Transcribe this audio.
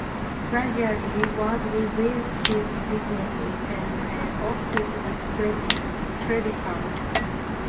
Gradually, Ward rebuilt his businesses, and paid off his creditors.